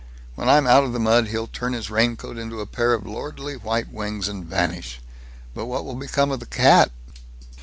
When I'm out of the mud he'll turn his raincoat into a pair of lordly white wings, and vanish. But what will become of the cat?"